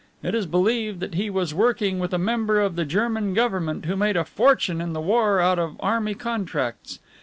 It is believed that he was working with a member of the German Government who made a fortune in the war out of army contracts.